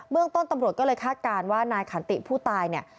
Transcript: เมืองต้นตำรวจก็เลยคาดการณ์ว่านายขันติผู้ตายเนี่ย